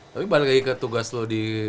tapi balik lagi ke tugas lo di